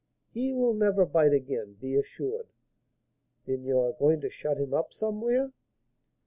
"He will never bite again, be assured." "Then you are going to shut him up somewhere?"